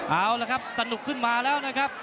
เอาละครับสนุกขึ้นมาแล้วนะครับ